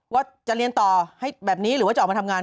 ว่าจะเรียนต่อให้แบบนี้หรือว่าจะออกมาทำงาน